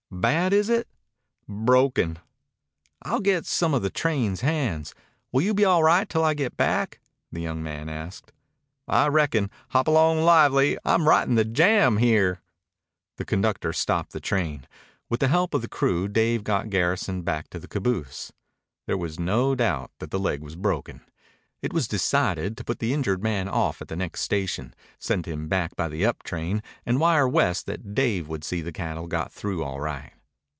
"Bad, is it?" "Broken." "I'll get some of the train hands. Will you be all right till I get back?" the young man asked. "I reckon. Hop along lively. I'm right in the jam here." The conductor stopped the train. With the help of the crew Dave got Garrison back to the caboose. There was no doubt that the leg was broken. It was decided to put the injured man off at the next station, send him back by the up train, and wire West that Dave would see the cattle got through all right.